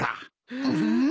うん？